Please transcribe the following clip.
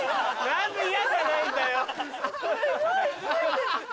何で嫌じゃないんだよ。